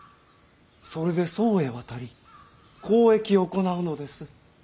それで宋へ渡り交易を行うのです。